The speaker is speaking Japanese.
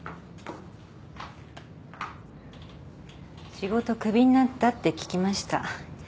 仕事首になったって聞きました。